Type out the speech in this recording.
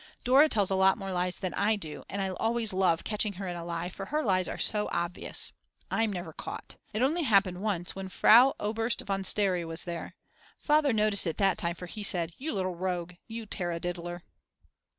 Dora tells a lot more lies than I do and I always love catching her in a lie for her lies are so obvious. I'm never caught. It only happened once when Frau Oberst von Stary was there. Father noticed that time, for he said: You little rogue, you tarradiddler!